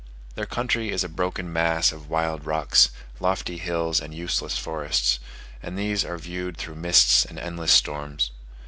Their country is a broken mass of wild rocks, lofty hills, and useless forests: and these are viewed through mists and endless storms.